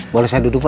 boleh saya duduk pak